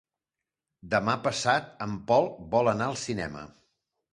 Demà passat en Pol vol anar al cinema.